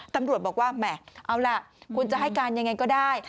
ตำรวจบอกว่าแหม่เอาล่ะคุณจะให้การยังไงก็ได้